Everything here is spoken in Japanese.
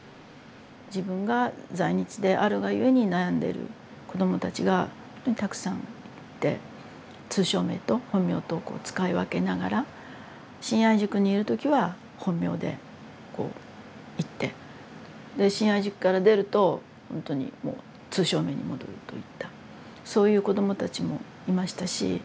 自分が在日であるがゆえに悩んでる子どもたちがほんとにたくさんいて通称名と本名とをこう使い分けながら信愛塾にいる時は本名でこう言ってで信愛塾から出るとほんとにもう通称名に戻るといったそういう子どもたちもいましたし。